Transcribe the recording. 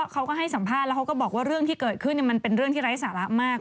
เขาก็ให้สัมภาษณ์แล้วเขาก็บอกว่าเรื่องที่เกิดขึ้นมันเป็นเรื่องที่ไร้สาระมาก